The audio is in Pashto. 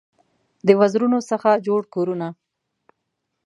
د وزرونو څخه جوړ کورونه